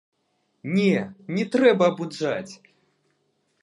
Не, не трэба абуджаць!